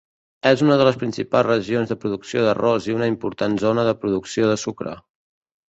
És una de les principals regions de producció d'arròs i una important zona de producció de sucre.